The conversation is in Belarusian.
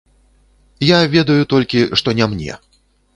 Я ведаю толькі, што не мне.